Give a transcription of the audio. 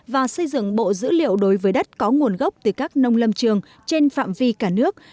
và xây dựng bộ dữ liệu đối với đất có nguồn gốc từ các nông lâm trường trên phạm vi cả nước